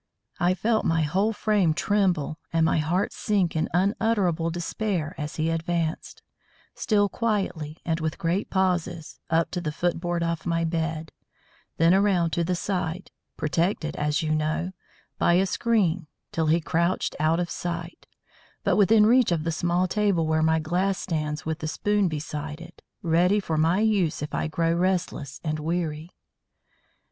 I felt my whole frame tremble and my heart sink in unutterable despair as he advanced, still quietly and with great pauses, up to the foot board of my bed, then around to the side, protected, as you know, by a screen, till he crouched out of sight, but within reach of the small table where my glass stands with the spoon beside it, ready for my use if I grow restless and weary.